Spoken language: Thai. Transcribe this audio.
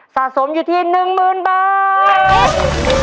สะสมอยู่ที่๑๐๐๐บาท